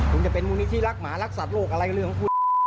คุณจะเป็นมูลนิธิรักหมารักสัตว์โลกอะไรเรื่องของคุณ